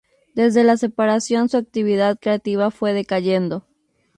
Desde la separación, su actividad creativa fue decayendo.